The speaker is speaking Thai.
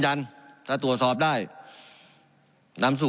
การปรับปรุงทางพื้นฐานสนามบิน